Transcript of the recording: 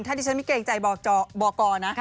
ถ้าดิฉันไม่เกรงใจบอกกนะ